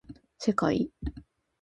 せかい